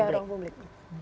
ya ruang publik